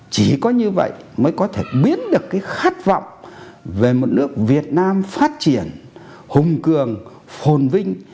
chỉ có như vậy mới có thể biến được cái khát vọng về một nước việt nam phát triển hùng cường phồn vinh